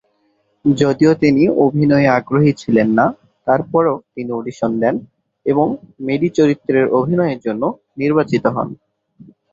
যদিও তিনি অভিনয়ে আগ্রহী ছিলেন না, তারপরও তিনি অডিশন দেন এবং মেরি চরিত্রে অভিনয়ের জন্য নির্বাচিত হন।